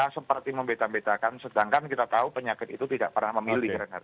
seperti membeda bedakan sedangkan kita tahu penyakit itu tidak pernah memilih reinhard